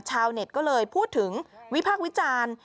ชาวเน็ตก็เลยพูดถึงวิพากษ์วิจารณ์